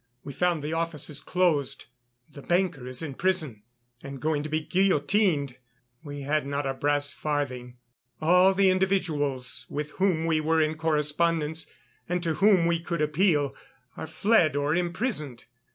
We found the offices closed; the banker is in prison and going to be guillotined. We had not a brass farthing. All the individuals with whom we were in correspondence and to whom we could appeal are fled or imprisoned.